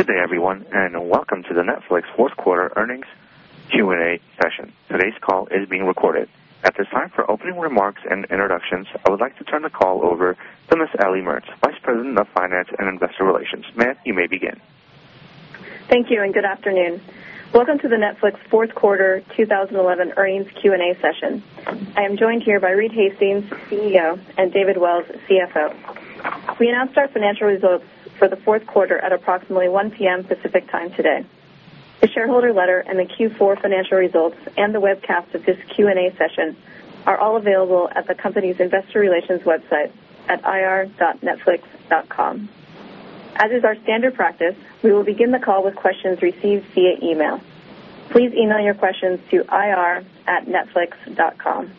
Good day, everyone, and welcome to the Netflix Fourth Quarter Earnings Q&A Session. Today's call is being recorded. At this time, for opening remarks and introductions, I would like to turn the call over to Ms. Ellie Mertz, Vice President of Finance and Investor Relations. Ma'am, you may begin. Thank you, and good afternoon. Welcome to the Netflix Fourth Quarter 2011 Earnings Q&A session. I am joined here by Reed Hastings, CEO, and David Wells, CFO. We announced our financial results for the fourth quarter at approximately 1:00 P.M. Pacific Time today. The shareholder letter and the Q4 financial results and the webcast of this Q&A session are all available at the company's investor relations website at ir.netflix.com. As is our standard practice, we will begin the call with questions received via email. Please email your questions to ir.netflix.com.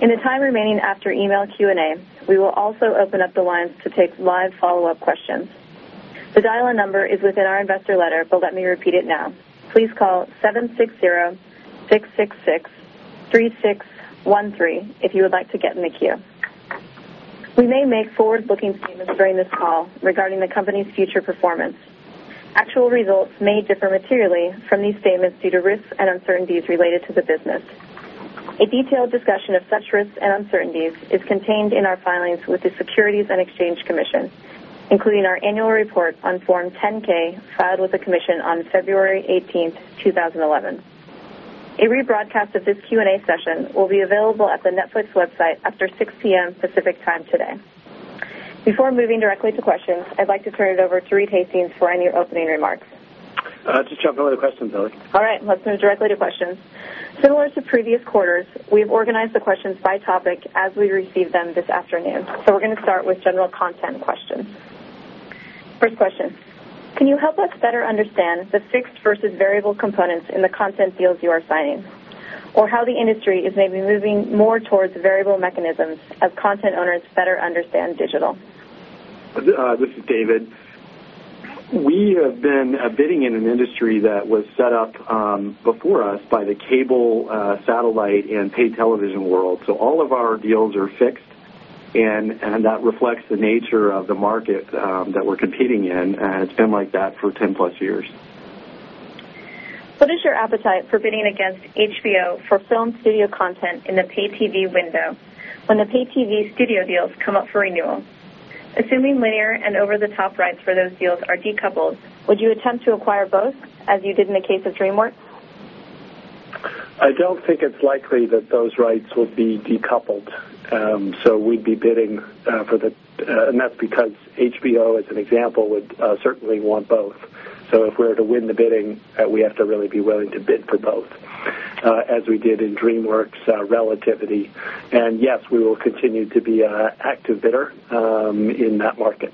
In the time remaining after email Q&A, we will also open up the lines to take live follow-up questions. The dial-in number is within our investor letter, but let me repeat it now. Please call 760-666-3613 if you would like to get in the queue. We may make forward-looking statements during this call regarding the company's future performance. Actual results may differ materially from these statements due to risks and uncertainties related to the business. A detailed discussion of such risks and uncertainties is contained in our filings with the Securities and Exchange Commission, including our annual report on Form 10-K filed with the Commission on February 18th, 2011. A rebroadcast of this Q&A session will be available at the Netflix website after 6:00 P.M. Pacific Time today. Before moving directly to questions, I'd like to turn it over to Reed Hastings for any opening remarks. Just jump in with a question, Ellie. All right, let's move directly to questions. Similar to previous quarters, we've organized the questions by topic as we receive them this afternoon. We're going to start with general content questions. First question, can you help us better understand the fixed versus variable components in the content deals you are signing? Or how the industry is maybe moving more towards variable mechanisms as content owners better understand digital? This is David. We have been bidding in an industry that was set up before us by the cable, satellite, and paid television world. All of our deals are fixed, and that reflects the nature of the market that we're competing in. It's been like that for 10+ years. What is your appetite for bidding against HBO for film studio content in the paid TV window when the paid TV studio deals come up for renewal? Assuming linear and over-the-top rights for those deals are decoupled, would you attempt to acquire both as you did in the case of DreamWorks? I don't think it's likely that those rights will be decoupled. We'd be bidding for the, and that's because HBO, as an example, would certainly want both. If we're to win the bidding, we have to really be willing to bid for both, as we did in DreamWorks Relativity. Yes, we will continue to be an active bidder in that market.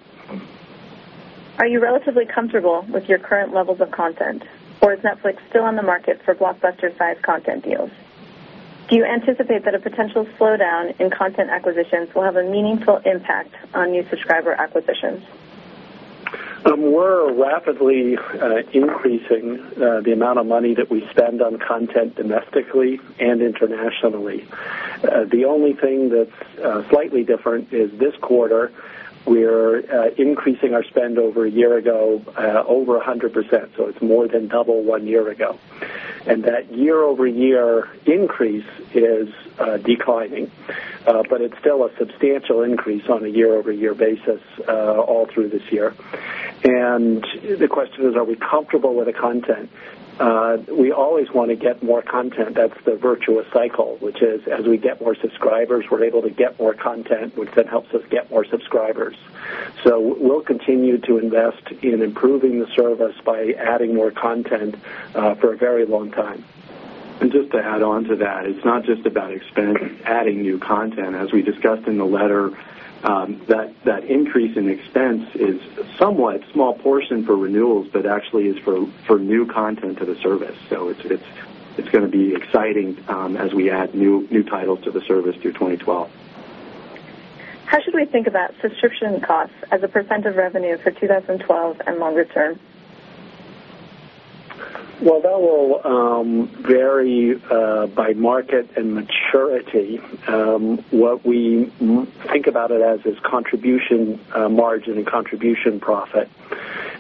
Are you relatively comfortable with your current levels of content? Or is Netflix still on the market for blockbuster-sized content deals? Do you anticipate that a potential slowdown in content acquisitions will have a meaningful impact on new subscriber acquisitions? We're rapidly increasing the amount of money that we spend on content domestically and internationally. The only thing that's slightly different is this quarter, we're increasing our spend over a year ago over 100%. It's more than double one year ago. That year-over-year increase is declining, but it's still a substantial increase on a year-over-year basis all through this year. The question is, are we comfortable with the content? We always want to get more content. That's the virtuous cycle, which is, as we get more subscribers, we're able to get more content, which then helps us get more subscribers. We'll continue to invest in improving the service by adding more content for a very long time. To add on to that, it's not just about expense, adding new content. As we discussed in the letter, that increase in expense is somewhat a small portion for renewals, but actually is for new content to the service. It's going to be exciting as we add new titles to the service through 2012. How should we think about subscription costs as a percent of revenue for 2012 and longer term? That will vary by market and maturity. What we think about it as is contribution margin and contribution profit.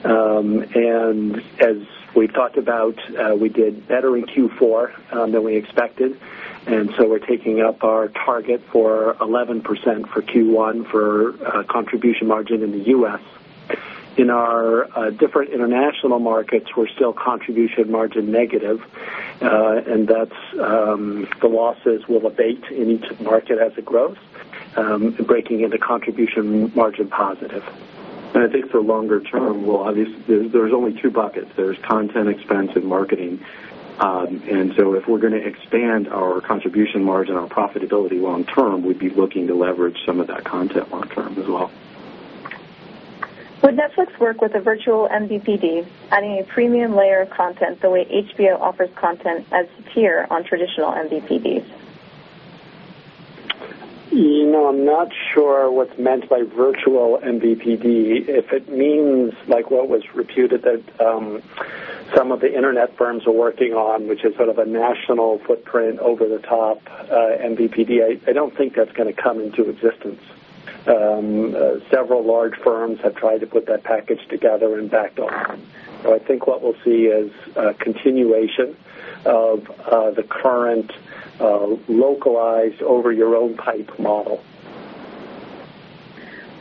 As we've talked about, we did better in Q4 than we expected, and we're taking up our target for 11% for Q1 for contribution margin in the U.S. In our different international markets, we're still contribution margin negative, and that's the losses we'll abate in each market as it grows, breaking into contribution margin positive. For longer term, obviously, there's only two buckets. There's content expense and marketing. If we're going to expand our contribution margin on profitability long term, we'd be looking to leverage some of that content long term as well. Would Netflix work with a Virtual MVPD, adding a premium layer of content the way HBO offers content as a tier on traditional MVPDs? You know, I'm not sure what's meant by Virtual MVPD. If it means like what was reputed that some of the internet firms are working on, which is sort of a national footprint over-the-top MVPD, I don't think that's going to come into existence. Several large firms have tried to put that package together and backed off. I think what we'll see is a continuation of the current localized over-your-own-pipe model.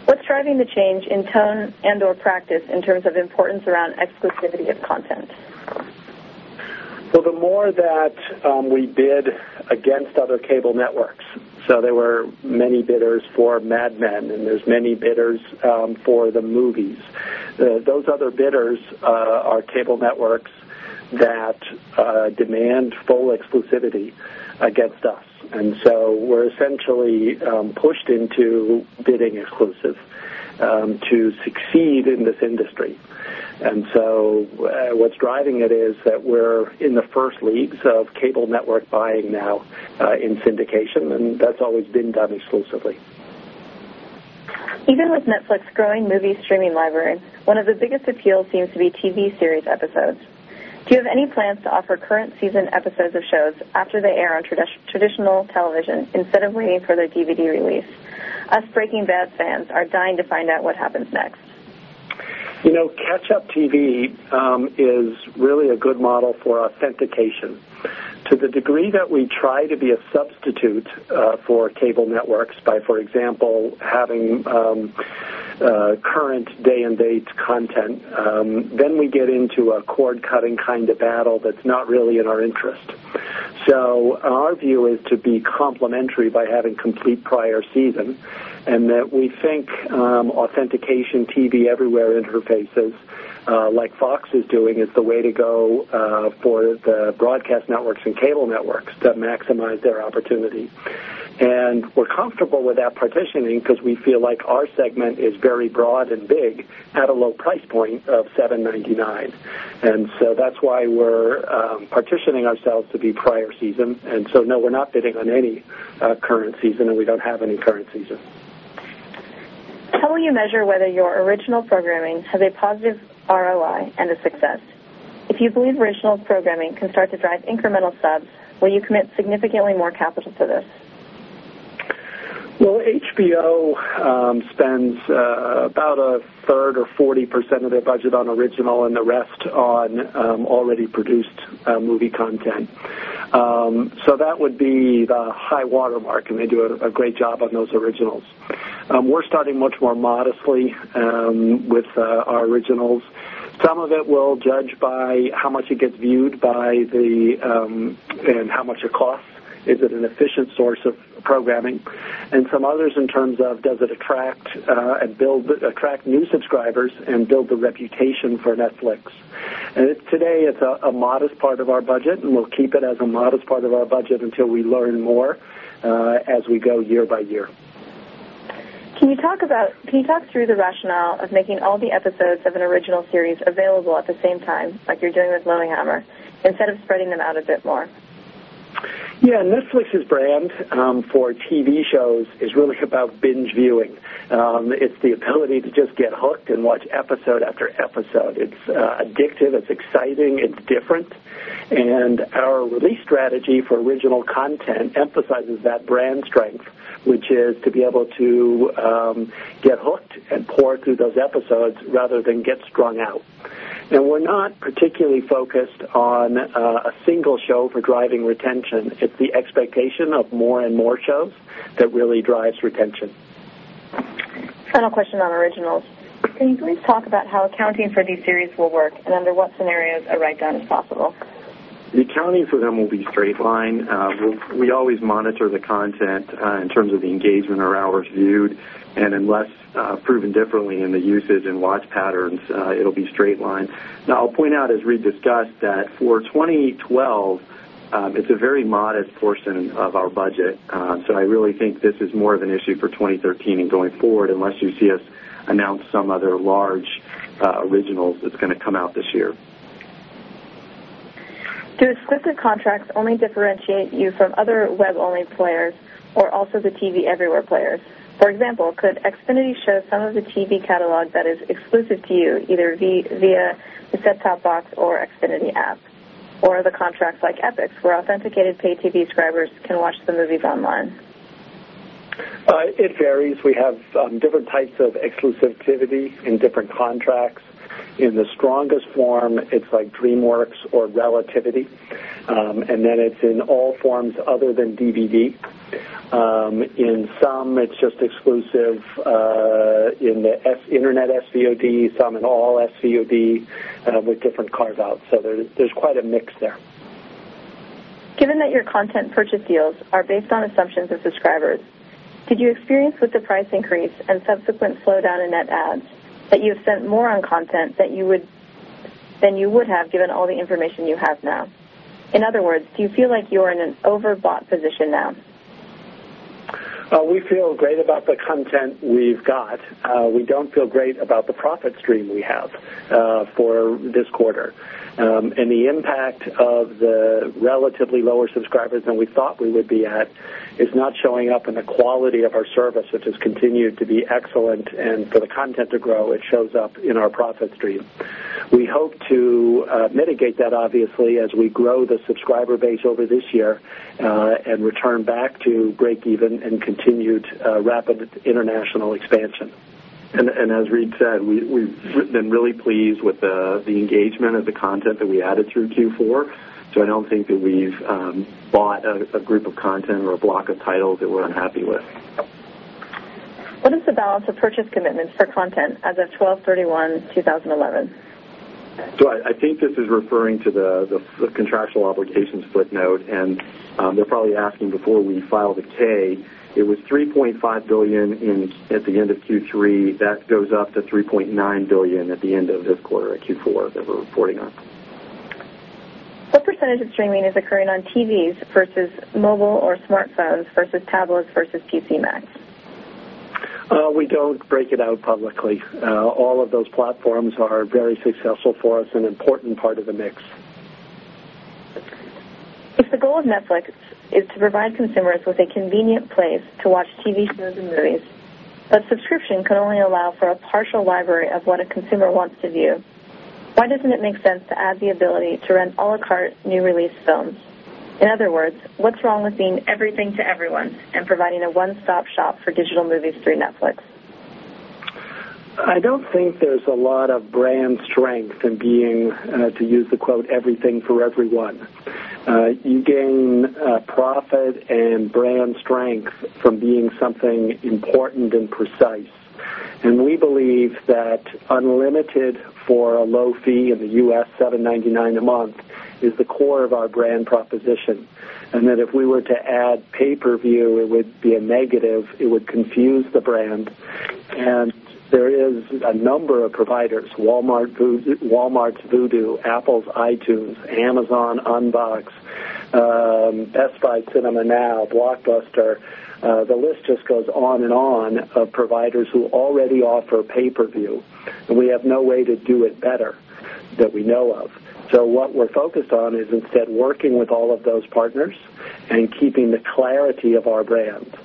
What's driving the change in tone and/or practice in terms of importance around exclusivity of content? The more that we bid against other cable networks, there were many bidders for Mad Men, and there's many bidders for the movies. Those other bidders are cable networks that demand full exclusivity against us. We're essentially pushed into bidding exclusive to succeed in this industry. What's driving it is that we're in the first leagues of cable network buying now in syndication, and that's always been done exclusively. Even with Netflix growing movie streaming library, one of the biggest appeals seems to be TV series episodes. Do you have any plans to offer current-season episodes of shows after they air on traditional television instead of waiting for their DVD release? Us Breaking Bad fans are dying to find out what happens next. Catch-up TV is really a good model for authentication. To the degree that we try to be a substitute for cable networks by, for example, having current day-and-date content, then we get into a cord-cutting kind of battle that's not really in our interest. Our view is to be complementary by having complete prior season. We think authentication TV everywhere interfaces, like Fox is doing, is the way to go for the broadcast networks and cable networks to maximize their opportunity. We're comfortable with that partitioning because we feel like our segment is very broad and big at a low price point of $7.99. That's why we're partitioning ourselves to be prior season. No, we're not bidding on any current season, and we don't have any current season. How will you measure whether your original programming has a positive ROI and a success? If you believe original programming can start to drive incremental subs, will you commit significantly more capital to this? HBO spends about 1/3 or 40% of their budget on original and the rest on already produced movie content. That would be the high watermark, and they do a great job on those originals. We're starting much more modestly with our originals. Some of it will judge by how much it gets viewed and how much it costs. Is it an efficient source of programming? Some others in terms of, does it attract new subscribers and build the reputation for Netflix? Today, it's a modest part of our budget, and we'll keep it as a modest part of our budget until we learn more as we go year by year. Can you talk about, can you talk through the rationale of making all the episodes of an original series available at the same time, like you're doing with Lilyhammer, instead of spreading them out a bit more? Yeah, Netflix's brand for TV shows is really about binge viewing. It's the ability to just get hooked and watch episode after episode. It's addictive. It's exciting. It's different. Our release strategy for original content emphasizes that brand strength, which is to be able to get hooked and pour through those episodes rather than get strung out. We're not particularly focused on a single show for driving retention. It's the expectation of more and more shows that really drives retention. Final question on originals. Can you please talk about how accounting for these series will work, and under what scenarios a write-down is possible? The accounting for them will be straight line. We always monitor the content in terms of the engagement or hours viewed. Unless proven differently in the usage and watch patterns, it'll be straight line. I'll point out, as Reed discussed, that for 2012, it's a very modest portion of our budget. I really think this is more of an issue for 2013 and going forward, unless you see us announce some other large original that's going to come out this year. Do exclusive contracts only differentiate you from other web-only players or also the TV everywhere players? For example, could Xfinity show some of the TV catalog that is exclusive to you either via the set-top box or Xfinity app? Are the contracts like Epix where authenticated paid TV subscribers can watch the movies online? It varies. We have different types of exclusivity in different contracts. In the strongest form, it's like DreamWorks or Relativity, and then it's in all forms other than DVD. In some, it's just exclusive in the internet SVOD, some in all SVOD with different carve-outs. There's quite a mix there. Given that your content purchase deals are based on assumptions of subscribers, did you experience with the price increase and subsequent slowdown in net ads that you have spent more on content than you would have given all the information you have now? In other words, do you feel like you're in an overbought position now? We feel great about the content we've got. We don't feel great about the profit stream we have for this quarter. The impact of the relatively lower subscribers than we thought we would be at is not showing up in the quality of our service, which has continued to be excellent. For the content to grow, it shows up in our profit stream. We hope to mitigate that, obviously, as we grow the subscriber base over this year and return back to break-even and continued rapid international expansion. As Reed said, we've been really pleased with the engagement of the content that we added through Q4. I don't think that we've bought a group of content or a block of titles that we're unhappy with. What is the balance of purchase commitments for content as of 12/31/2011? I think this is referring to the contractual obligations footnote. They're probably asking before we file the K. It was $3.5 billion at the end of Q3. That goes up to $3.9 billion at the end of this quarter at Q4 that we're reporting on. What percentage of streaming is occurring on TVs versus mobile or smartphones versus tablets versus PC Macs? We don't break it out publicly. All of those platforms are very successful for us and an important part of the mix. If the goal of Netflix is to provide consumers with a convenient place to watch TV shows and movies, but subscription can only allow for a partial library of what a consumer wants to view, why doesn't it make sense to add the ability to rent à la carte new release films? In other words, what's wrong with being everything to everyone and providing a one-stop shop for digital movies through Netflix? I don't think there's a lot of brand strength in being, to use the quote, "everything for everyone." You gain profit and brand strength from being something important and precise. We believe that unlimited for a low fee in the U.S., $7.99 a month, is the core of our brand proposition. If we were to add pay-per-view, it would be a negative. It would confuse the brand. There are a number of providers: Walmart's Vudu, Apple's iTunes, Amazon Unbox, Best Buy CinemaNow, Blockbuster. The list just goes on and on of providers who already offer pay-per-view. We have no way to do it better that we know of. What we're focused on is instead working with all of those partners and keeping the clarity of our brand.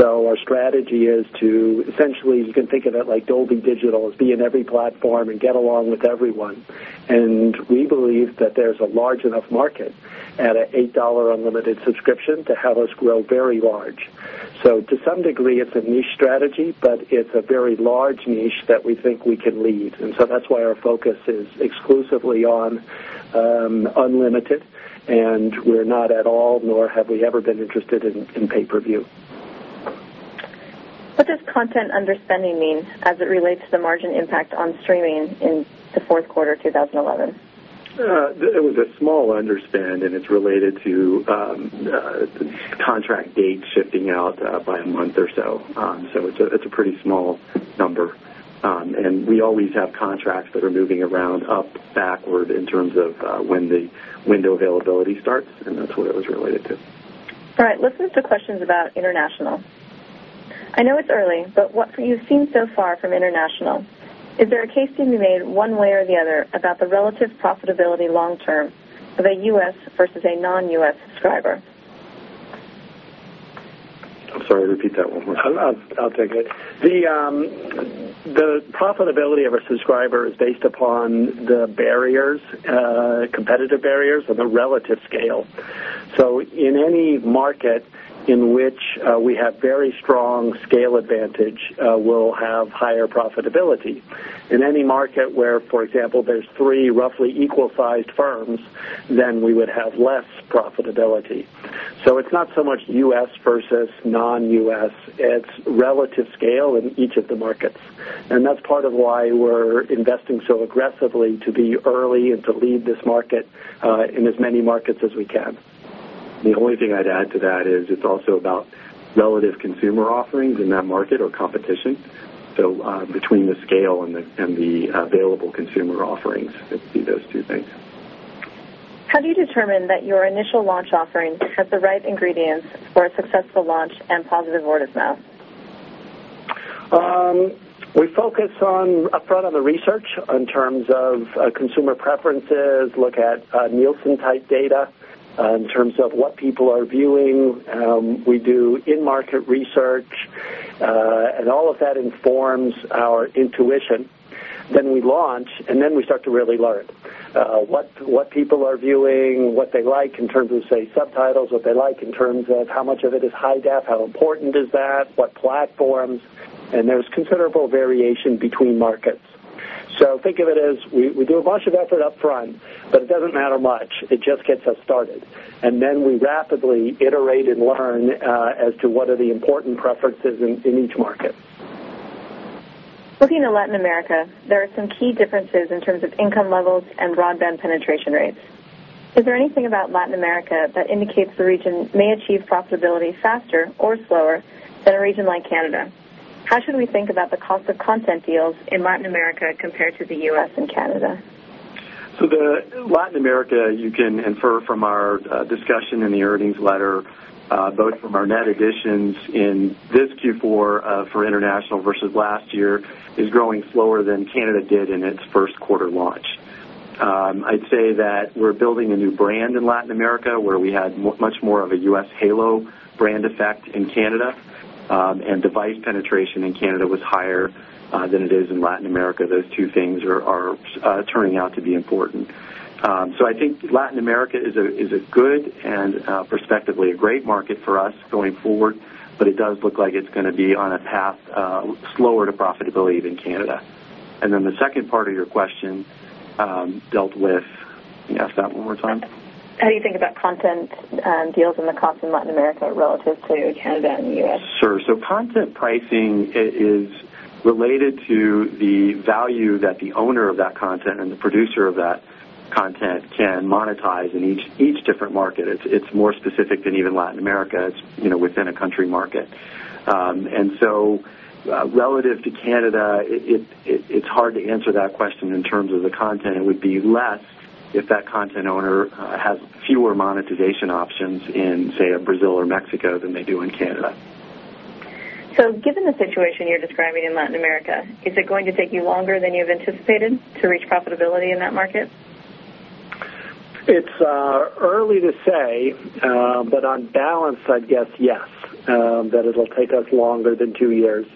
Our strategy is to essentially, you can think of it like Dolby Digital as being every platform and get along with everyone. We believe that there's a large enough market at an $8 unlimited subscription to have us grow very large. To some degree, it's a niche strategy, but it's a very large niche that we think we can lead. That's why our focus is exclusively on unlimited. We're not at all, nor have we ever been interested in pay-per-view. What does content underspending mean as it relates to the margin impact on streaming in the fourth quarter 2011? It was a small understand, and it's related to the contract date shifting out by a month or so. It's a pretty small number. We always have contracts that are moving around up backward in terms of when the window of availability starts. That's what it was related to. All right, let's move to questions about international. I know it's early, but what you've seen so far from international, is there a case to be made one way or the other about the relative profitability long term of a U.S. versus a non-U.S. subscriber? I'm sorry, repeat that one more time. I'll take it. The profitability of a subscriber is based upon the barriers, competitive barriers of a relative scale. In any market in which we have very strong scale advantage, we'll have higher profitability. In any market where, for example, there's three roughly equal-sized firms, we would have less profitability. It's not so much U.S. versus non-U.S. It's relative scale in each of the markets. That's part of why we're investing so aggressively to be early and to lead this market in as many markets as we can. The only thing I'd add to that is it's also about relative consumer offerings in that market or competition. Between the scale and the available consumer offerings, see those two things. How do you determine that your initial launch offering has the right ingredients for a successful launch and positive word of mouth? We focus upfront on the research in terms of consumer preferences, look at Nielsen-type data in terms of what people are viewing. We do in-market research, and all of that informs our intuition. We launch, and we start to really learn what people are viewing, what they like in terms of, say, subtitles, what they like in terms of how much of it is high-depth, how important is that, what platforms. There is considerable variation between markets. Think of it as we do a bunch of effort upfront, but it does not matter much. It just gets us started, and we rapidly iterate and learn as to what are the important preferences in each market. Looking at Latin America, there are some key differences in terms of income levels and broadband penetration rates. Is there anything about Latin America that indicates the region may achieve profitability faster or slower than a region like Canada? How should we think about the cost of content deals in Latin America compared to the U.S. and Canada? The Latin America, you can infer from our discussion in the earnings letter, both from our net additions in this Q4 for international versus last year, is growing slower than Canada did in its first quarter launch. I'd say that we're building a new brand in Latin America where we had much more of a U.S. halo brand effect in Canada. Device penetration in Canada was higher than it is in Latin America. Those two things are turning out to be important. I think Latin America is a good and perspectively a great market for us going forward. It does look like it's going to be on a path slower to profitability than Canada. The second part of your question dealt with, can you ask that one more time? How do you think about content deals and the cost in Latin America relative to Canada and the U.S.? Content pricing is related to the value that the owner of that content and the producer of that content can monetize in each different market. It's more specific than even Latin America. It's within a country market. Relative to Canada, it's hard to answer that question in terms of the content. It would be less if that content owner has fewer monetization options in, say, Brazil or Mexico than they do in Canada. Given the situation you're describing in Latin America, is it going to take you longer than you've anticipated to reach profitability in that market? It's early to say. On balance, I'd guess yes, that it'll take us longer than two years.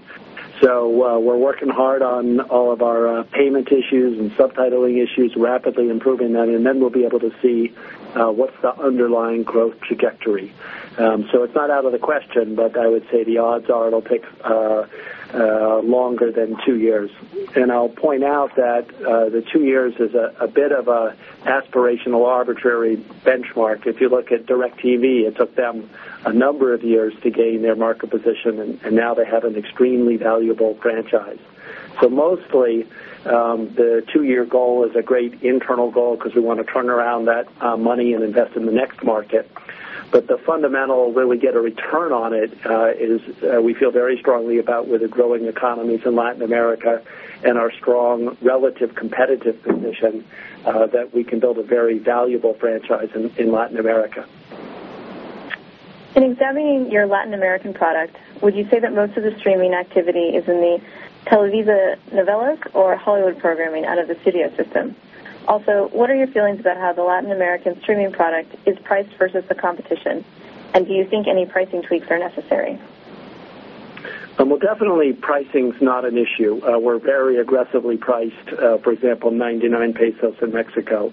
We're working hard on all of our payment issues and subtitling issues, rapidly improving that. Then we'll be able to see what's the underlying growth trajectory. It's not out of the question, but I would say the odds are it'll take longer than two years. I'll point out that the two years is a bit of an aspirational arbitrary benchmark. If you look at DIRECTV, it took them a number of years to gain their market position. Now they have an extremely valuable franchise. Mostly, the two-year goal is a great internal goal because we want to turn around that money and invest in the next market. The fundamental where we get a return on it is we feel very strongly about, with the growing economies in Latin America and our strong relative competitive position, that we can build a very valuable franchise in Latin America. In examining your Latin American product, would you say that most of the streaming activity is in the Televisa Novelas or Hollywood programming out of the studio system? Also, what are your feelings about how the Latin American streaming product is priced versus the competition? Do you think any pricing tweaks are necessary? Pricing is not an issue. We're very aggressively priced, for example, 99 pesos in Mexico.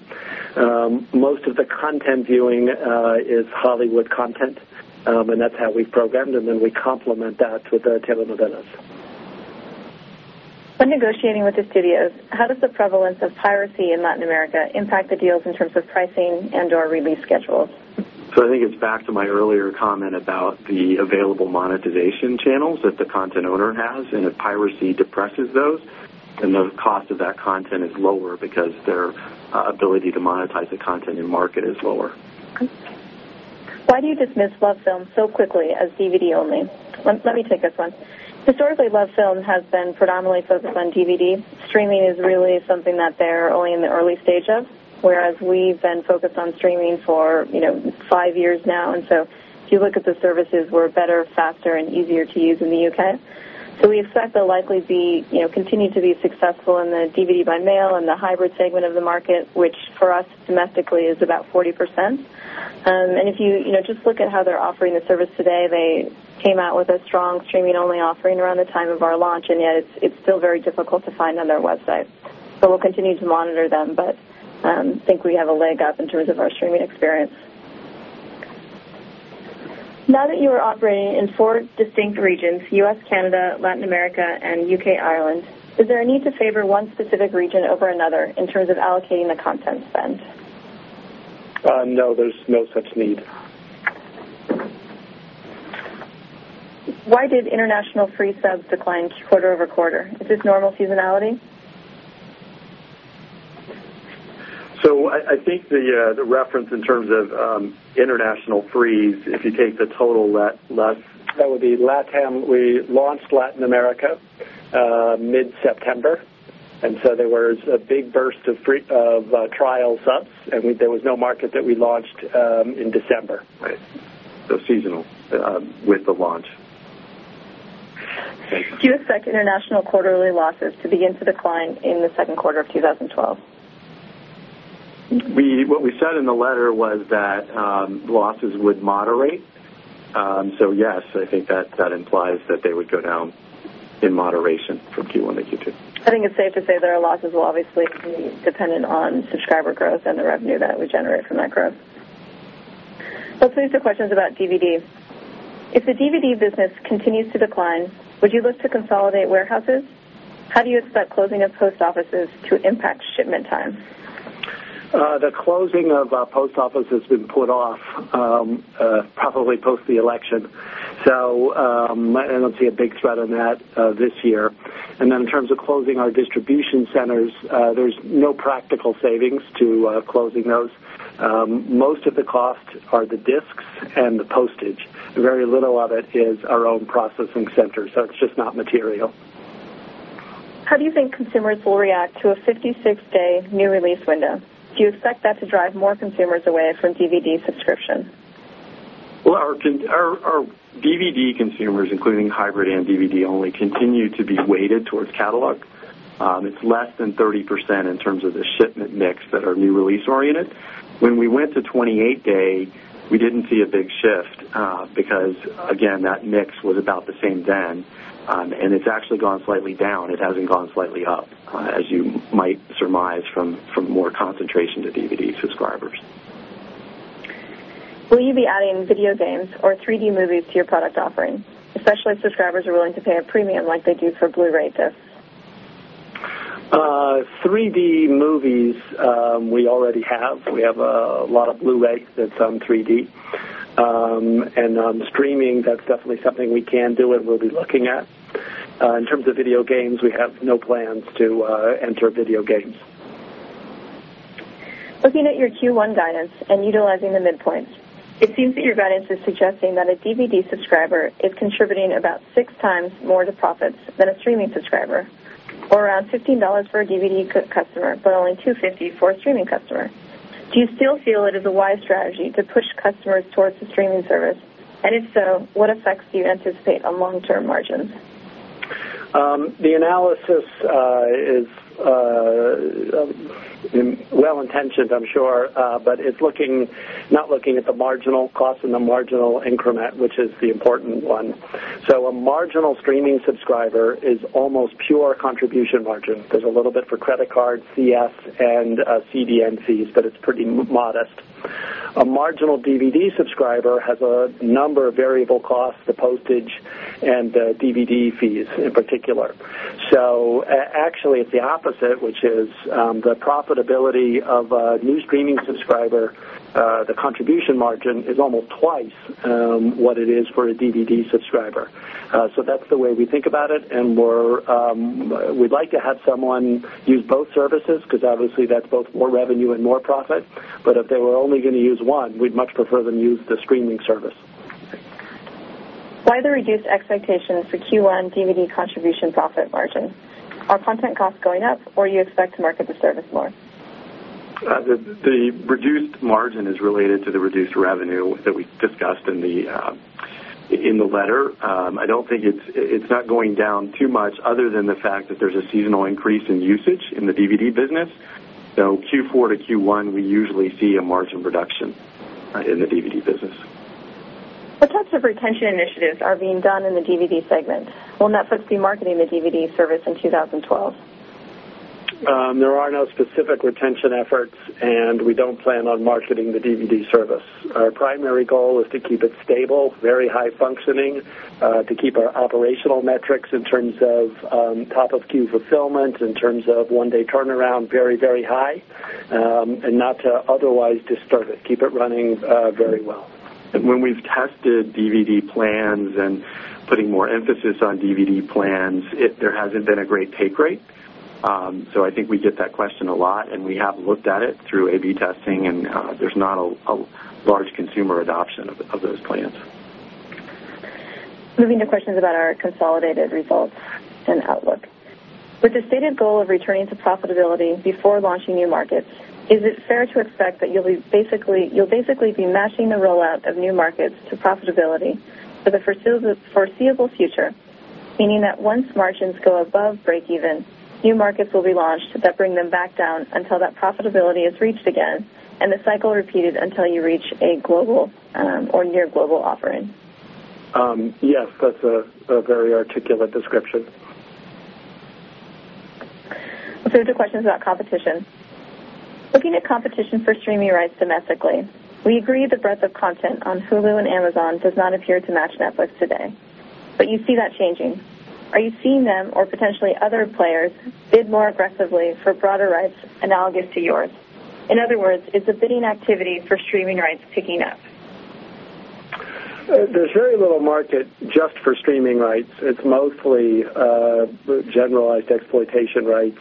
Most of the content viewing is Hollywood content. That's how we've programmed, and then we complement that with the telenovelas. When negotiating with the studios, how does the prevalence of piracy in Latin America impact the deals in terms of pricing and/or release schedules? I think it's back to my earlier comment about the available monetization channels that the content owner has. If piracy depresses those, then the cost of that content is lower because their ability to monetize the content in market is lower. Why do you dismiss LOVEFiLM so quickly as DVD only? Let me take this one. Historically, LOVEFiLM has been predominantly focused on DVD. Streaming is really something that they're only in the early stage of, whereas we've been focused on streaming for five years now. If you look at the services, we're better, faster, and easier to use in the U.K.. We expect they'll likely continue to be successful in the DVD by mail and the hybrid segment of the market, which for us domestically is about 40%. If you just look at how they're offering the service today, they came out with a strong streaming-only offering around the time of our launch, yet it's still very difficult to find on their website. We'll continue to monitor them. I think we have a leg up in terms of our streaming experience. Now that you are operating in four distinct regions: U.S., Canada, Latin America, and U.K., Ireland, is there a need to favor one specific region over another in terms of allocating the content spend? No, there's no such need. Why did international free subs decline quarter-over-quarter? Is this normal seasonality? I think the reference in terms of international frees, if you take the total that. That would be LATAM. We launched Latin America mid-September, so there was a big burst of trial subs. There was no market that we launched in December. Right, so seasonal with the launch. Do you expect international quarterly losses to begin to decline in the second quarter of 2012? What we said in the letter was that losses would moderate. Yes, I think that implies that they would go down in moderation from Q1 to Q2. I think it's safe to say that our losses will obviously be dependent on subscriber growth and the revenue that we generate from that growth. Let's move to questions about DVDs. If the DVD business continues to decline, would you look to consolidate warehouses? How do you expect closing of post offices to impact shipment times? The closing of post offices has been put off probably post the election. I don't see a big threat in that this year. In terms of closing our distribution centers, there's no practical savings to closing those. Most of the costs are the discs and the postage. Very little of it is our own processing center. It's just not material. How do you think consumers will react to a 56-day new release window? Do you expect that to drive more consumers away from DVD subscription? Our DVD consumers, including hybrid and DVD only, continue to be weighted towards catalog. It's less than 30% in terms of the shipment mix that are new release oriented. When we went to 28-day, we didn't see a big shift because, again, that mix was about the same then. It's actually gone slightly down. It hasn't gone slightly up, as you might surmise from more concentration to DVD subscribers. Will you be adding video games or 3D movies to your product offering, especially if subscribers are willing to pay a premium like they do for Blu-ray discs? 3D movies, we already have. We have a lot of Blu-rays that's on 3D. On streaming, that's definitely something we can do and we'll be looking at. In terms of video games, we have no plans to enter video games. Looking at your Q1 guidance and utilizing the midpoints, it seems that your guidance is suggesting that a DVD subscriber is contributing about 6x more to profits than a streaming subscriber, or around $15 for a DVD customer, but only $2.50 for a streaming customer. Do you still feel it is a wise strategy to push customers towards a streaming service? If so, what effects do you anticipate on long-term margins? The analysis is well-intentioned, I'm sure. It's not looking at the marginal cost and the marginal increment, which is the important one. A marginal streaming subscriber is almost pure contribution margin. There's a little bit for credit card, CS, and CDN fees, but it's pretty modest. A marginal DVD subscriber has a number of variable costs, the postage and the DVD fees in particular. Actually, it's the opposite, which is the profitability of a new streaming subscriber, the contribution margin is almost twice what it is for a DVD subscriber. That's the way we think about it. We'd like to have someone use both services because obviously, that's both more revenue and more profit. If they were only going to use one, we'd much prefer them use the Netflix streaming service. Why the reduced expectations for Q1 DVD contribution profit margin? Are content costs going up, or do you expect to market the service more? The reduced margin is related to the reduced revenue that we discussed in the letter. I don't think it's not going down too much other than the fact that there's a seasonal increase in usage in the DVD business. Q4 to Q1, we usually see a margin reduction in the DVD business. What types of retention initiatives are being done in the DVD segment? Will Netflix be marketing the DVD service in 2012? There are no specific retention efforts, and we don't plan on marketing the DVD service. Our primary goal is to keep it stable, very high functioning, to keep our operational metrics in terms of top-of-queue fulfillment, in terms of one-day turnaround very, very high, and not to otherwise disturb it, keep it running very well. When we've tested DVD plans and put more emphasis on DVD plans, there hasn't been a great take rate. I think we get that question a lot. We have looked at it through A/B testing, and there's not a large consumer adoption of those plans. Moving to questions about our consolidated results and outlook. With the stated goal of returning to profitability before launching new markets, is it fair to expect that you'll basically be matching the rollout of new markets to profitability for the foreseeable future, meaning that once margins go above break-even, new markets will be launched that bring them back down until that profitability is reached again, and the cycle repeated until you reach a global or near-global offering? Yes, that's a very articulate description. Let's move to questions about competition. Looking at competition for streaming rights domestically, we agree the breadth of content on Hulu and Amazon does not appear to match Netflix today. Do you see that changing? Are you seeing them or potentially other players bid more aggressively for broader rights analogous to yours? In other words, is the bidding activity for streaming rights picking up? There's very little market just for streaming rights. It's mostly generalized exploitation rights.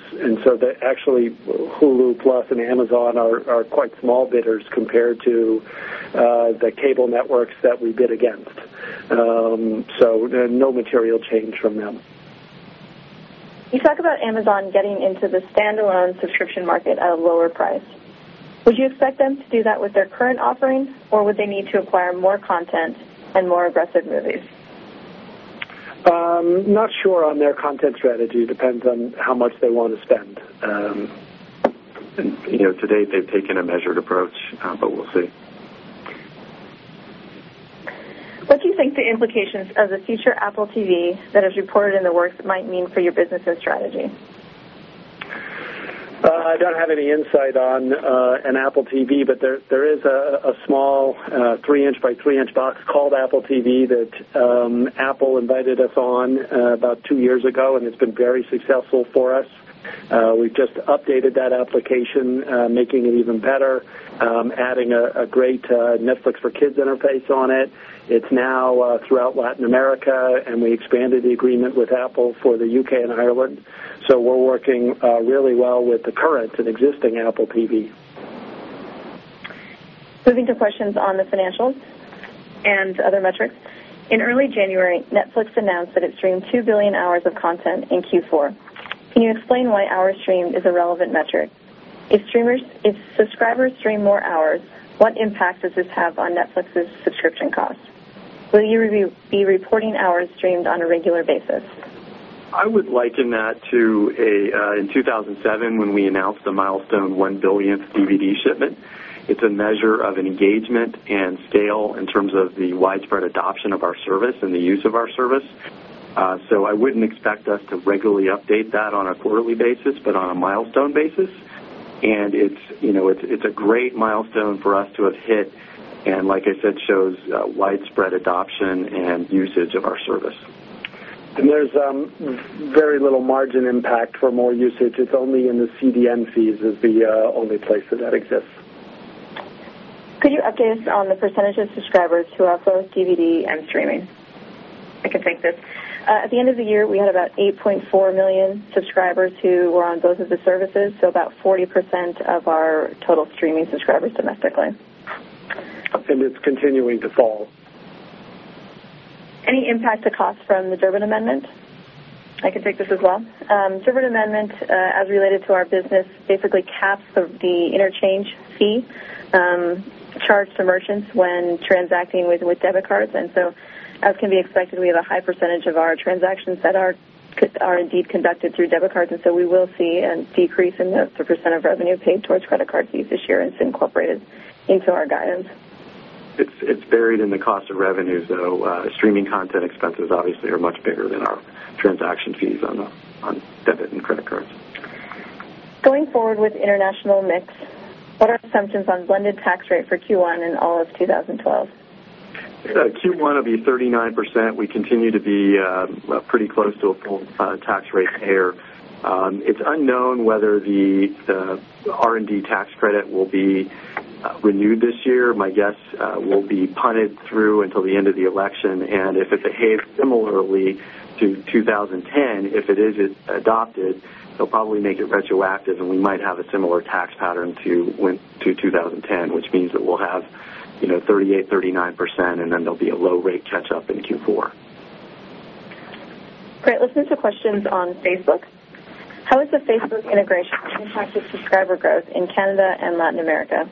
Actually, Hulu Plus and Amazon are quite small bidders compared to the cable networks that we bid against. No material change from them. You talk about Amazon getting into the standalone subscription market at a lower price. Would you expect them to do that with their current offering, or would they need to acquire more content and more aggressive movies? Not sure on their content strategy. It depends on how much they want to spend. To date, they've taken a measured approach. We'll see. What do you think the implications of the future Apple TV that is reported in the works might mean for your business and strategy? I don't have any insight on an Apple TV, but there is a small 3 in x 3 in box called Apple TV that Apple invited us on about two years ago and has been very successful for us. We've just updated that application, making it even better, adding a great Netflix for Kids interface on it. It's now throughout Latin America, and we expanded the agreement with Apple for the U.K. and Ireland. We are working really well with the current and existing Apple TV. Moving to questions on the financials and other metrics, in early January, Netflix announced that it streamed 2 billion hours of content in Q4. Can you explain why hours streamed is a relevant metric? If subscribers stream more hours, what impact does this have on Netflix's subscription cost? Will you be reporting hours streamed on a regular basis? I would liken that to in 2007 when we announced the milestone 1 billionth DVD shipment. It's a measure of engagement and scale in terms of the widespread adoption of our service and the use of our service. I wouldn't expect us to regularly update that on a quarterly basis, but on a milestone basis. It's a great milestone for us to have hit, and like I said, shows widespread adoption and usage of our service. There is very little margin impact for more usage. It's only in the CDN fees that that exists. Could you update us on the percentage of subscribers who have both DVD and streaming? I can think that at the end of the year, we had about 8.4 million subscribers who were on both of the services, so about 40% of our total streaming subscribers domestically. It is continuing to fall. Any impact to costs from the Durbin Amendment? I can take this as well. The Durbin Amendment, as related to our business, basically caps the interchange fee charged to merchants when transacting with debit cards. As can be expected, we have a high percentage of our transactions that are indeed conducted through debit cards. We will see a decrease in [the] percent of revenue paid towards credit card fees this year. It's incorporated into our guidance. It's buried in the cost of revenue. Streaming content expenses obviously are much bigger than our transaction fees on debit and credit cards. Going forward with international mix, what are assumptions on blended tax rate for Q1 and all of 2012? Q1 will be 39%. We continue to be pretty close to a full tax rate there. It's unknown whether the R&D tax credit will be renewed this year. My guess will be punted through until the end of the election. If it behaves similarly to 2010, if it is adopted, they'll probably make it retroactive, and we might have a similar tax pattern to 2010, which means that we'll have 38%, 39%, and then there'll be a low rate catch-up in Q4. Great. Let's move to questions on Facebook. How has the Facebook integration impacted subscriber growth in Canada and Latin America?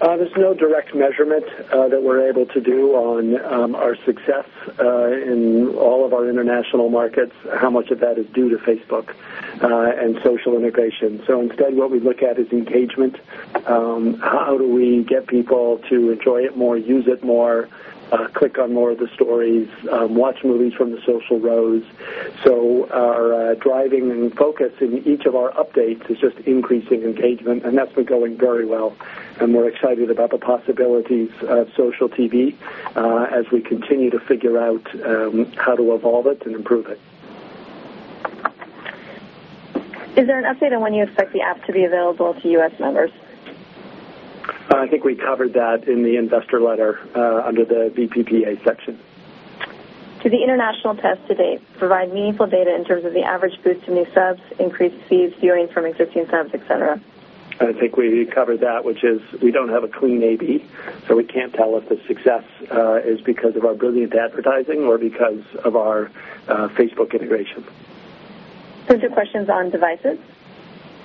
There's no direct measurement that we're able to do on our success in all of our international markets, how much of that is due to Facebook and social integration. Instead, what we look at is engagement. How do we get people to enjoy it more, use it more, click on more of the stories, watch movies from the social rows? Our driving focus in each of our updates is just increasing engagement. That's been going very well. We're excited about the possibilities of social TV as we continue to figure out how to evolve it and improve it. Is there an update on when you expect the app to be available to U.S. members? I think we covered that in the investor letter under the BPPA section. Did the international test to date provide meaningful data in terms of the average boost of new subs, increased fees, viewing from existing subs, etc.? I think we covered that, which is we don't have a clean A/B. We can't tell if the success is because of our brilliant advertising or because of our Facebook integration. Let's move to questions on devices.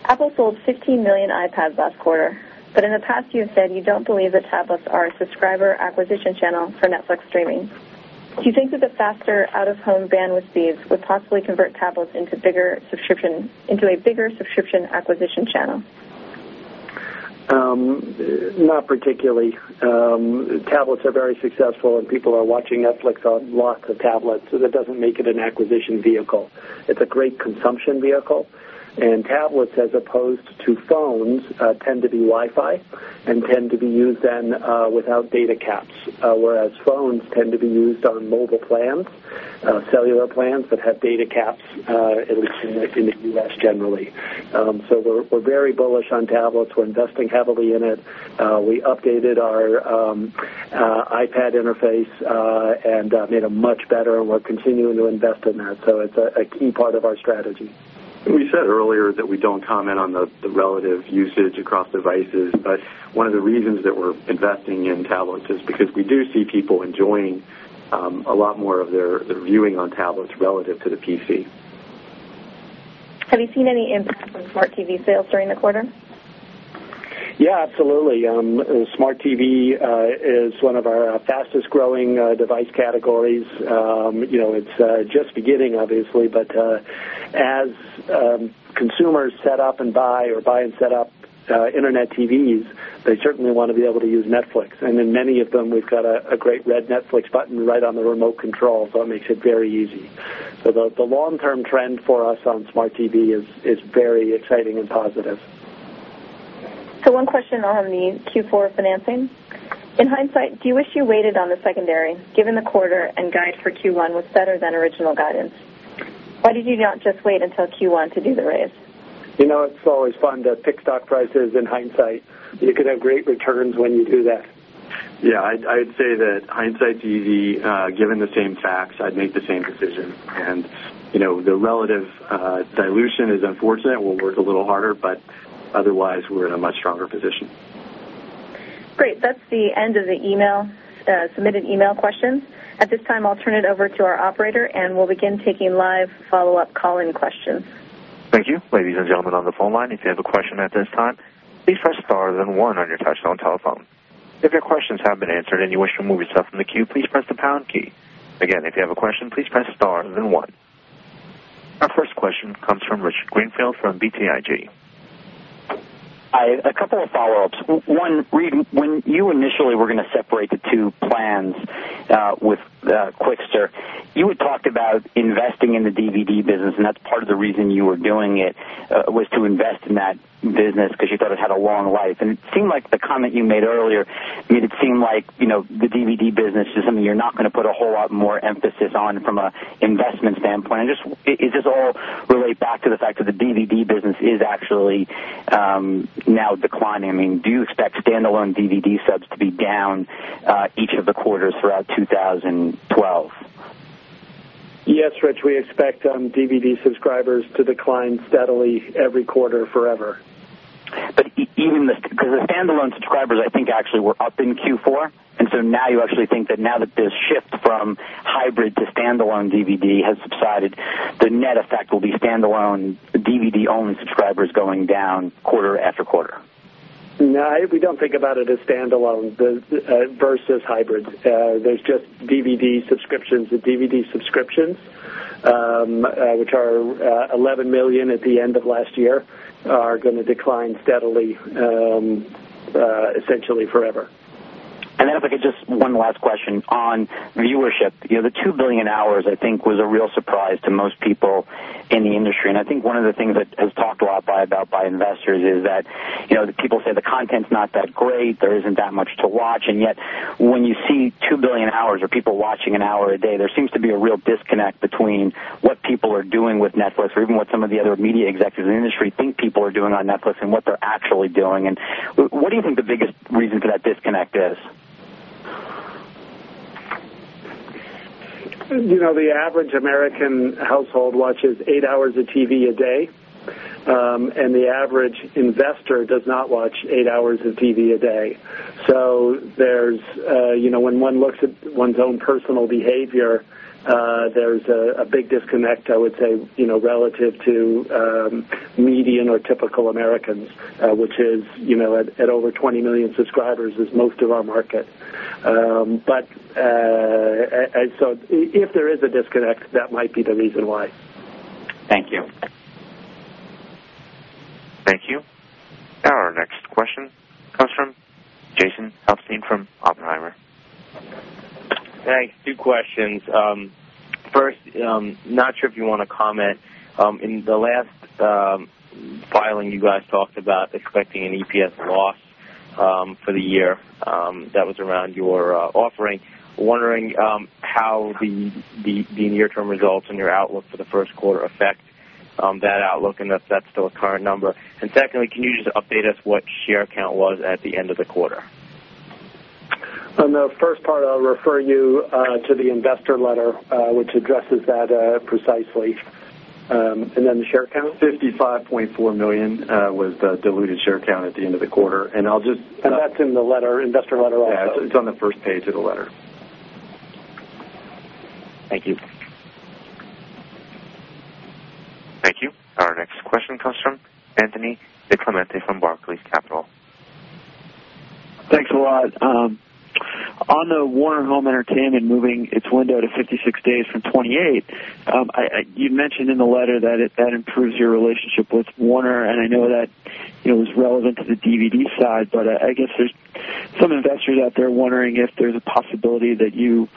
Apple sold 15 million iPads last quarter. In the past, you have said you don't believe that tablets are a subscriber acquisition channel for the Netflix streaming service. Do you think that the faster out-of-home bandwidth speeds would possibly convert tablets into a bigger subscription acquisition channel? Not particularly. Tablets are very successful, and people are watching Netflix on lots of tablets. That doesn't make it an acquisition vehicle. It's a great consumption vehicle. Tablets, as opposed to phones, tend to be Wi-Fi and tend to be used then without data caps, whereas phones tend to be used on mobile plans, cellular plans that have data caps, at least in the U.S. generally. We are very bullish on tablets. We're investing heavily in it. We updated our iPad interface and made it much better, and we're continuing to invest in that. It's a key part of our strategy. We said earlier that we don't comment on the relative usage across devices. One of the reasons that we're investing in tablets is because we do see people enjoying a lot more of their viewing on tablets relative to the PC. Have you seen any impact on smart TV sales during the quarter? Yeah, absolutely. Smart TV is one of our fastest growing device categories. It's just beginning, obviously. As consumers set up and buy or buy and set up internet TVs, they certainly want to be able to use Netflix. In many of them, we've got a great red Netflix button right on the remote control, which makes it very easy. The long-term trend for us on smart TV is very exciting and positive. One question on the Q4 financing. In hindsight, do you wish you waited on the secondary, given the quarter and guide for Q1 was better than original guidance? Why did you not just wait until Q1 to do the raise? You know, it's always fun to pick stock prices in hindsight. You can have great returns when you do that. Yeah, I would say that hindsight's easy. Given the same facts, I'd make the same decision. The relative dilution is unfortunate. We'll work a little harder. Otherwise, we're in a much stronger position. Great. That's the end of the submitted email questions. At this time, I'll turn it over to our operator, and we'll begin taking live follow-up call-in questions. Thank you. Ladies and gentlemen on the phone line, if you have a question at this time, please press star then one on your touch-tone telephone. If your questions have been answered and you wish to remove yourself from the queue, please press the pound key. Again, if you have a question, please press star then one. Our first question comes from Rich Greenfield from BTIG. Hi. A couple of follow-ups. One, when you initially were going to separate the two plans with Qwikster, you had talked about investing in the DVD business. That's part of the reason you were doing it, was to invest in that business because you thought it had a long life. It seemed like the comment you made earlier made it seem like the DVD business is something you're not going to put a whole lot more emphasis on from an investment standpoint. Does this all relate back to the fact that the DVD business is actually now declining? Do you expect standalone DVD subs to be down each of the quarters throughout 2012? Yes, Rich. We expect DVD subscribers to decline steadily every quarter forever. Even the standalone subscribers, I think, actually were up in Q4. Now you actually think that now that this shift from hybrid to standalone DVD has subsided, the net effect will be standalone DVD-only subscribers going down quarter after quarter? No, we don't think about it as standalone versus hybrid. There are just DVD subscriptions, and DVD subscriptions, which are 11 million at the end of last year, are going to decline steadily, essentially forever. If I could just ask one last question on viewership. The 2 billion hours, I think, was a real surprise to most people in the industry. I think one of the things that is talked about a lot by investors is that people say the content's not that great. There isn't that much to watch. Yet, when you see 2 billion hours or people watching an hour a day, there seems to be a real disconnect between what people are doing with Netflix or even what some of the other media executives in the industry think people are doing on Netflix and what they're actually doing. What do you think the biggest reason for that disconnect is? You know, the average American household watches eight hours of TV a day. The average investor does not watch eight hours of TV a day. When one looks at one's own personal behavior, there's a big disconnect, I would say, relative to median or typical Americans, which is at over 20 million subscribers is most of our market. If there is a disconnect, that might be the reason why. Thank you. Thank you. Our next question comes from Jason Helfstein from Oppenheimer. Thanks. Two questions. First, not sure if you want to comment. In the last filing, you guys talked about expecting an EPS loss for the year that was around your offering. Wondering how the near-term results in your outlook for the first quarter affect that outlook and if that's still a current number. Secondly, can you just update us what share count was at the end of the quarter? On the first part, I'll refer you to the investor letter, which addresses that precisely. The share count, 55.4 million, was the diluted share count at the end of the quarter. That's in the investor letter. Yeah, it's on the first page of the letter. Thank you. Thank you. Our next question comes from Anthony DiClemente from Barclays Capital. Thanks a lot. On the Warner Home Entertainment moving its window to 56 days from 28, you mentioned in the letter that it improves your relationship with Warner. I know that it was relevant to the DVD side, but I guess there's some investors out there wondering if there's a possibility that you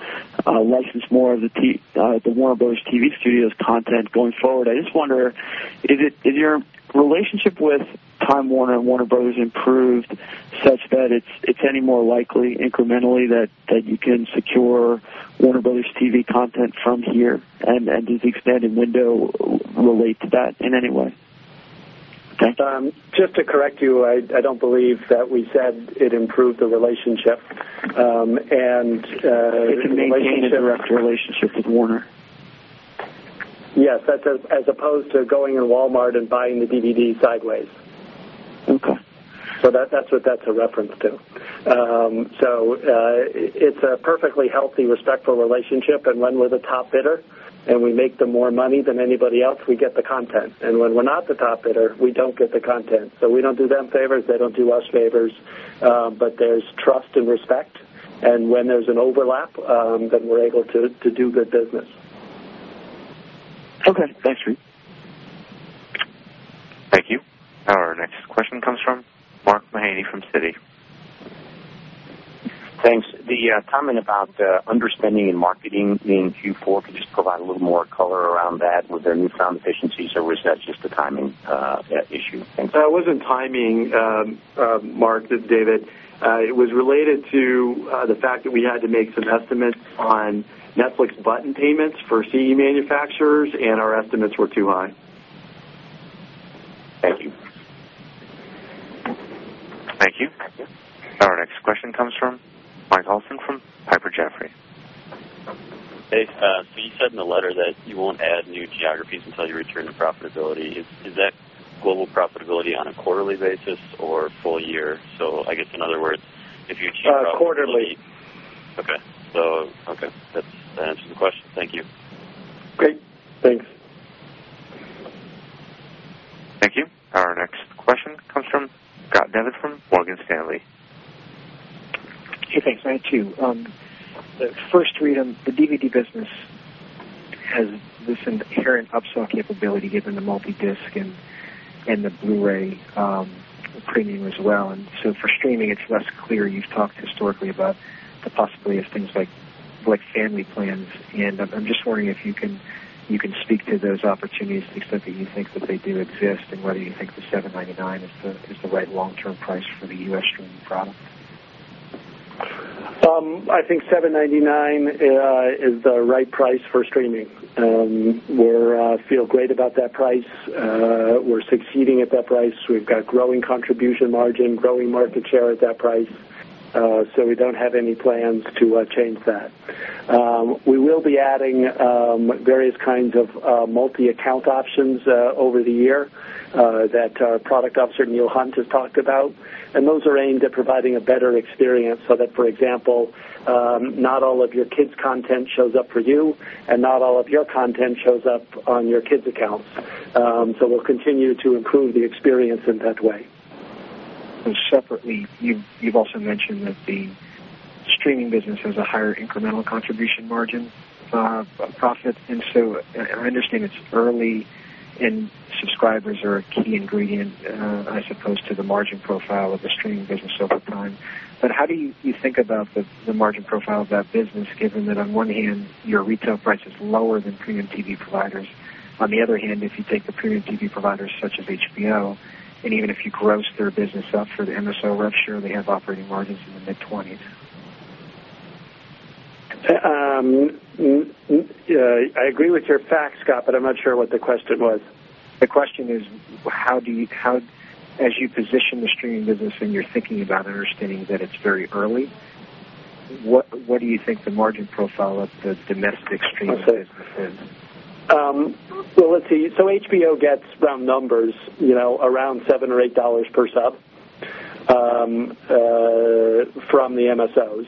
license more of the Warner Bros TV Studios content going forward. I just wonder, is your relationship with Time Warner and Warner Bros improved such that it's any more likely incrementally that you can secure Warner Bros TV content from here? Does the expanded window relate to that in any way? Just to correct you, I don't believe that we said it improved the relationship. It's a maintained direct relationship with Warner. Yes, as opposed to going in Walmart and buying the DVD sideways. Okay. That's what that's a reference to. It's a perfectly healthy, respectful relationship. When we're the top bidder and we make them more money than anybody else, we get the content. When we're not the top bidder, we don't get the content. We don't do them favors, they don't do us favors. There's trust and respect, and when there's an overlap, we're able to do good business. Okay, thanks, Reed. Thank you. Our next question comes from Mark Mahaney from Citi. Thanks. The comment about understanding and marketing in Q4, could you just provide a little more color around that with their newfound efficiencies, or was that just a timing issue? That wasn't timing, Mark, it's David. It was related to the fact that we had to make some estimates on Netflix button payments for CE manufacturers, and our estimates were too high. Thank you. Thank you. Our next question comes from Mike Olson from Piper Jaffray. Hey, you said in the letter that you won't add new geographies until you return to profitability. Is that global profitability on a quarterly basis or full year? In other words, if you achieve profitability. Quarterly. Okay, that answers the question. Thank you. Great. Thanks. Thank you. Our next question comes from Scott Devitt from Morgan Stanley. Sure. Thanks. The first read on the DVD business has this inherent upsell capability given the multi-disc and the Blu-ray premium as well. For streaming, it's less clear. You've talked historically about the possibility of things like family plans. I'm just wondering if you can speak to those opportunities. Do you think that they do exist? Whether you think the $7.99 is the right long-term price for the U.S. streaming product? I think $7.99 is the right price for streaming. We feel great about that price. We're succeeding at that price. We've got growing contribution margin, growing market share at that price. We don't have any plans to change that. We will be adding various kinds of multi-account options over the year that our Product Officer, Neil Hunt, has talked about. Those are aimed at providing a better experience so that, for example, not all of your kids' content shows up for you and not all of your content shows up on your kids' accounts. We'll continue to improve the experience in that way. Separately, you've also mentioned that the streaming business has a higher incremental contribution margin for profits. I understand it's early in subscribers or key ingredient, I suppose, to the margin profile of the streaming business over time. How do you think about the margin profile of that business, given that on one hand, your retail price is lower than premium TV providers? On the other hand, if you take the premium TV providers such as HBO, and even if you gross their business up for the MSO [reps], sure they have operating margins in the mid-20%. I agree with your facts, Scott, but I'm not sure what the question was. The question is, as you position the streaming business, when you're thinking about understanding that it's very early, what do you think the margin profile of the domestic streaming business is? HBO gets round numbers, you know, around $7 or $8 per sub from the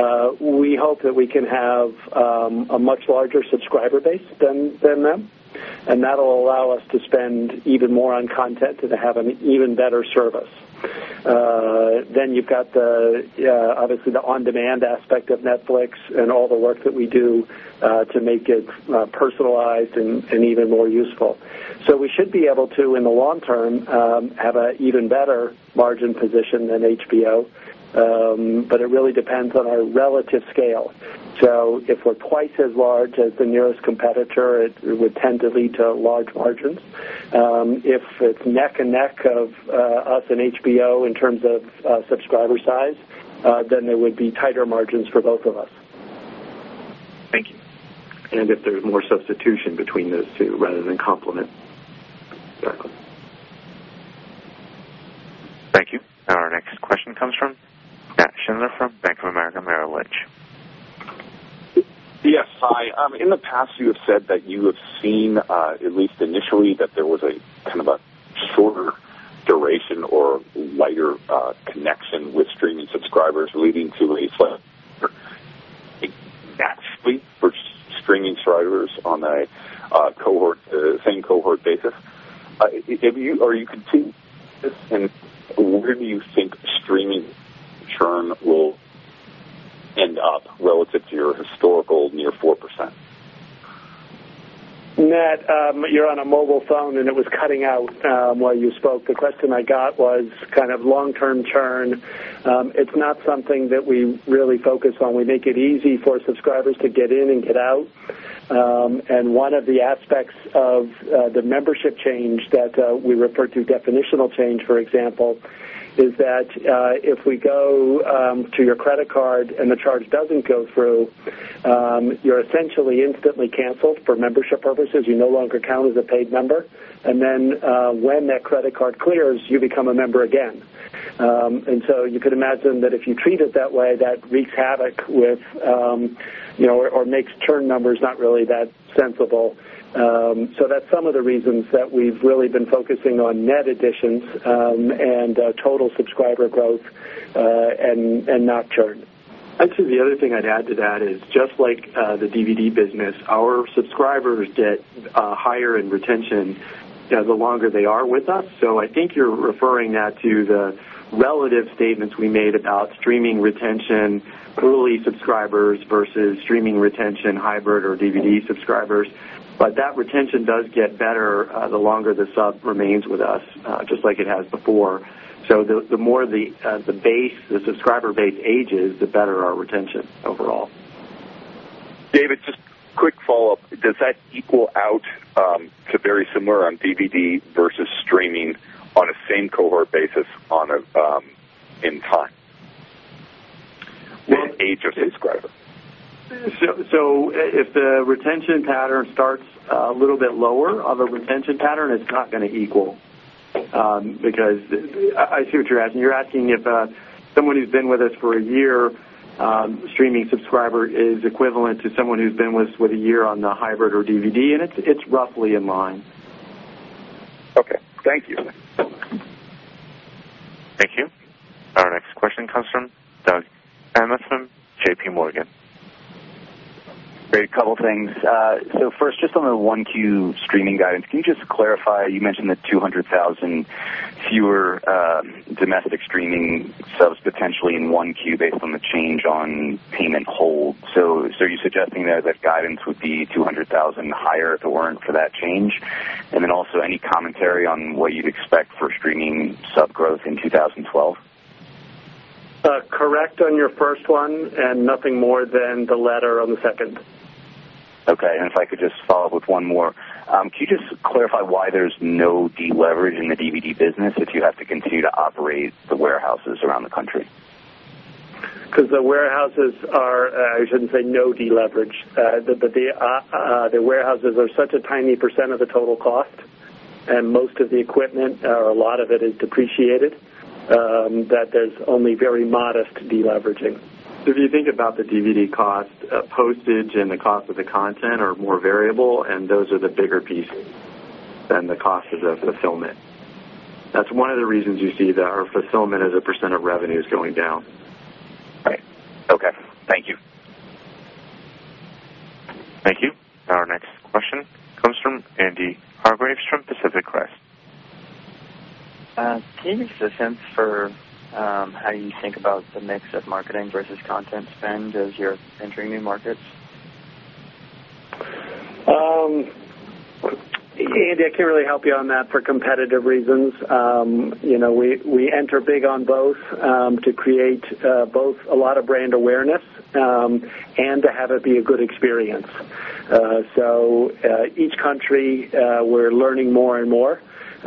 MSOs. We hope that we can have a much larger subscriber base than them. That'll allow us to spend even more on content and to have an even better service. You've got the, obviously, the on-demand aspect of Netflix and all the work that we do to make it personalized and even more useful. We should be able to, in the long term, have an even better margin position than HBO. It really depends on our relative scale. If we're twice as large as the nearest competitor, it would tend to lead to large margins. If it's neck and neck of us and HBO in terms of subscriber size, then there would be tighter margins for both of us. Thank you. If there's more substitution between those two rather than complement. Thank you. Our next question comes from Nat Schindler from Bank of America Merrill Lynch. Yes, hi. In the past, you have said that you have seen, at least initially, that there was a kind of a shorter duration or lighter connection with streaming subscribers leading to a free for streaming subscribers on a same cohort basis. Are you content? Where do you think streaming churn will end up relative to your historical near 4%? Nat, you're on a mobile phone, and it was cutting out while you spoke. The question I got was kind of long-term churn. It's not something that we really focus on. We make it easy for subscribers to get in and get out. One of the aspects of the membership change that we refer to, definitional change, for example, is that if we go to your credit card and the charge doesn't go through, you're essentially instantly canceled for membership purposes. You no longer count as a paid member. When that credit card clears, you become a member again. You could imagine that if you treat it that way, that wreaks havoc with, you know, or makes churn numbers not really that sensible. That's some of the reasons that we've really been focusing on net additions and total subscriber growth and not churn. Actually, the other thing I'd add to that is just like the DVD business, our subscribers get higher in retention the longer they are with us. I think you're referring to the relative statements we made about streaming retention, early subscribers versus streaming retention, hybrid, or DVD subscribers. That retention does get better the longer the sub remains with us, just like it has before. The more the subscriber base ages, the better our retention overall. David, just a quick follow-up. Does that equal out to very similar on DVD versus streaming on a same cohort basis in time? If the retention pattern starts a little bit lower of a retention pattern, it's not going to equal. I see what you're asking. You're asking if someone who's been with us for a year streaming subscriber is equivalent to someone who's been with us with a year on the hybrid or DVD, and it's roughly in line. Okay, thank you. Thank you. Our next question comes from Doug Anmuth from JPMorgan. Great. A couple of things. First, just on the 1Q streaming guidance, can you clarify? You mentioned that 200,000 fewer domestic streaming subs potentially in 1Q based on the change on payment hold. You're suggesting there that guidance would be 200,000 higher if it weren't for that change. Also, any commentary on what you'd expect for streaming sub growth in 2012? Correct on your first one, and nothing more than the latter on the second. Okay. If I could just follow up with one more, can you just clarify why there's no deleverage in the DVD business if you have to continue to operate the warehouses around the country? Because the warehouses are, I shouldn't say no deleverage. The warehouses are such a tiny percent of the total cost, and most of the equipment, or a lot of it, is depreciated, that there's only very modest deleveraging. If you think about the DVD cost, postage and the cost of the content are more variable, and those are the bigger pieces than the cost of the fulfillment. That's one of the reasons you see that our fulfillment as a percent of revenue is going down. Right. Okay. Thank you. Thank you. Our next question comes from Andy Hargreaves from Pacific Crest. Can you make a sense for how you think about the mix of marketing versus content spend as you're entering new markets? Andy, I can't really help you on that for competitive reasons. You know, we enter big on both to create both a lot of brand awareness and to have it be a good experience. Each country, we're learning more and more,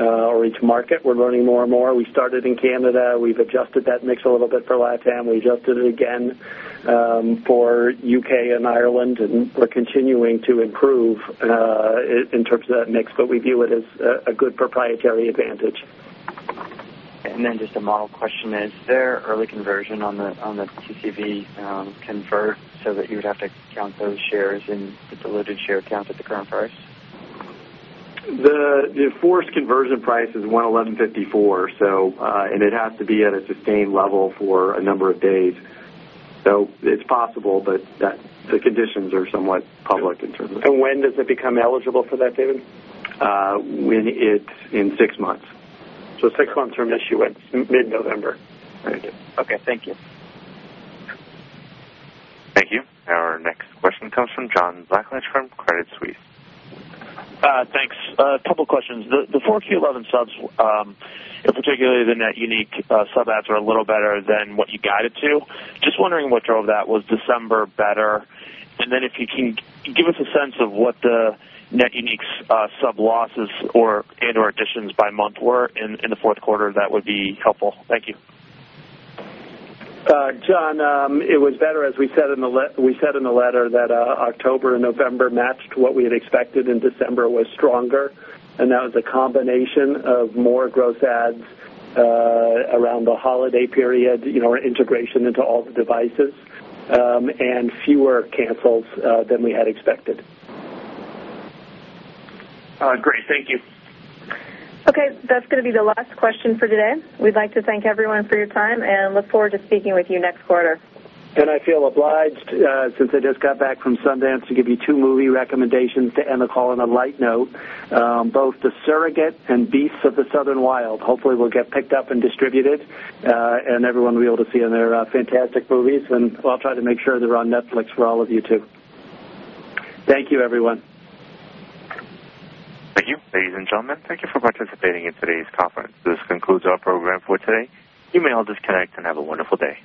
or each market, we're learning more and more. We started in Canada. We've adjusted that mix a little bit for LATAM. We adjusted it again for U.K. and Ireland, and we're continuing to improve in terms of that mix. We view it as a good proprietary advantage. Is there early conversion on the TCV convert so that you would have to count those shares in the diluted share count at the crown price? The forced conversion price is $111.54, and it has to be at a sustained level for a number of days. It's possible, but the conditions are somewhat public in terms of that. When does it become eligible for that payment? When it's in six months. Six months from this year, It's mid-November. Right. Okay, thank you. Thank you. Our next question comes from John Blackledge from Credit Suisse. Thanks. A couple of questions. The 4Q11 subs, in particular the net unique sub adds are a little better than what you guided to. Just wondering what drove that. Was December better? If you can give us a sense of what the net unique sub losses and/or additions by month were in the fourth quarter, that would be helpful. Thank you. John, it was better, as we said in the letter that October and November matched what we had expected. In December, it was stronger. That was a combination of more gross ads around the holiday period, integration into all the devices, and fewer cancels than we had expected. Great. Thank you. Okay. That is going to be the last question for today. We'd like to thank everyone for your time and look forward to speaking with you next quarter. I feel obliged, since I just got back from Sundance, to give you two movie recommendations to end the call on a light note. Both The Surrogate and Beasts of the Southern Wild hopefully will get picked up and distributed, and everyone will be able to see them; they're fantastic movies. I'll try to make sure they're on Netflix for all of you too. Thank you, everyone. Thank you, ladies and gentlemen. Thank you for participating in today's conference. This concludes our program for today. You may disconnect and have a wonderful day.